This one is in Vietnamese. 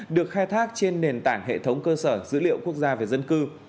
được khai thác trên nền tảng hệ thống cơ sở dữ liệu quốc gia về dân cư